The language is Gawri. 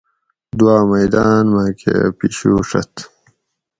دواۤ میدان میکہ پشوڛت